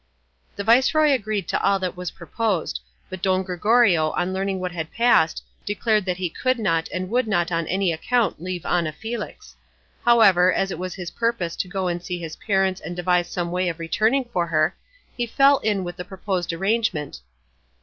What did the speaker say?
The viceroy agreed to all that was proposed; but Don Gregorio on learning what had passed declared he could not and would not on any account leave Ana Felix; however, as it was his purpose to go and see his parents and devise some way of returning for her, he fell in with the proposed arrangement.